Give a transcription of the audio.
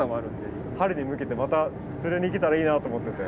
春に向けてまた釣れに来たらいいなぁと思ってて。